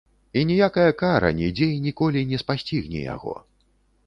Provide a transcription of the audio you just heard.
І ніякая кара нідзе і ніколі не спасцігне яго.